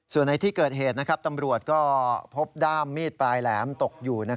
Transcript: ส่วนในที่เกิดเหตุตำรวจก็พบด้ามมีดปลายแหลมตกอยู่